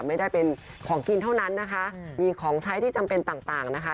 ไม่ได้เป็นของกินเท่านั้นนะคะมีของใช้ที่จำเป็นต่างต่างนะคะ